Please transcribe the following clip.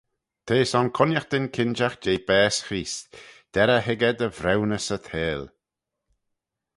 T'eh son cooinaghtyn kinjagh jeh baase Chreest, derrey hig eh dy vriwnys y theihll.